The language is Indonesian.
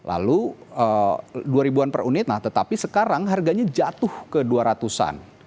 lalu dua ribuan per unit nah tetapi sekarang harganya jatuh ke dua ratus an